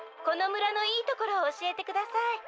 「このむらのいいところをおしえてください」。